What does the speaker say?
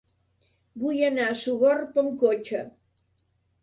Vull anar a Sogorb amb cotxe.